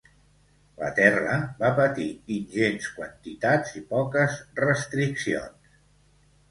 La terra va patir ingents quantitats i poques restriccions.